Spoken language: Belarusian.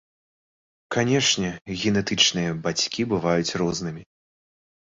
Канешне, генетычныя бацькі бываюць рознымі.